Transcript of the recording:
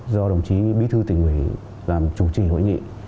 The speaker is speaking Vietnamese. đảng ủy công an tỉnh do đồng chí bí thư tỉnh ủy làm chủ trì hội nghị